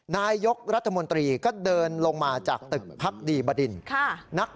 นายกรัฐมนตรีก็เดินลงมาจากตึกพักดีบดิน